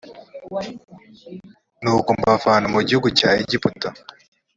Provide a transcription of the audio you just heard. nuko mbavana mu gihugu cya egiputa.